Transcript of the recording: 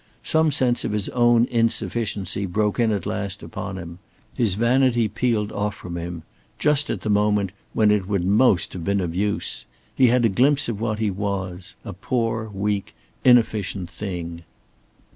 Some sense of his own insufficiency broke in at last upon him. His vanity peeled off from him, just at the moment when it would most have been of use. He had a glimpse of what he was a poor, weak, inefficient thing.